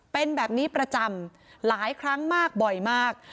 เป็นแบบนี้ประจำหลายครั้งมากบ่อยมาก